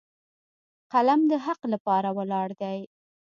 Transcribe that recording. قلم د حق لپاره ولاړ دی